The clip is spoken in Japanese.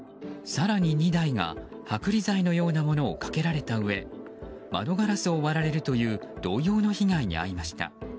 更に２台が剥離剤のようなものをかけられたうえ窓ガラスを割られるという同様の被害に遭いました。